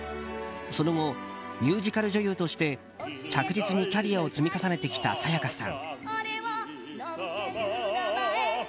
その後、ミュージカル女優として着実にキャリアを積み重ねてきた沙也加さん。